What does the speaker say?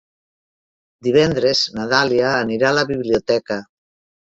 Divendres na Dàlia anirà a la biblioteca.